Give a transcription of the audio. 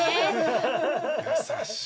優しい。